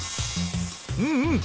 うんうん！